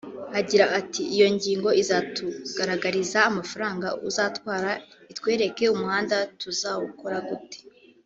Agira ati “Iyo nyigo izatugaragariza amafaranga uzatwara…itwereke umuhanda tuzawukora gute